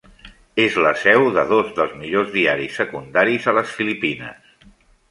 És la seu de dos dels millors diaris secundaris a les Filipines.